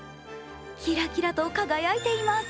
キラキラと輝いています。